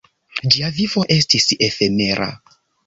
Ĝia vivo estis efemera.